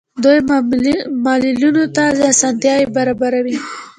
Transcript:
دوی معلولینو ته اسانتیاوې برابروي.